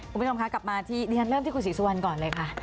คุณผู้ชมคะกลับมาที่ดิฉันเริ่มที่คุณศรีสุวรรณก่อนเลยค่ะ